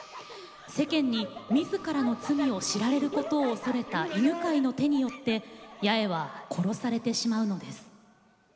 世間にみずからの罪を知られることを恐れた犬飼の手によって八重は殺されてしまうのです。